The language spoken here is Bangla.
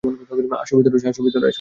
আসো, ভিতরে আসো।